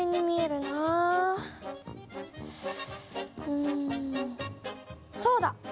うんそうだ！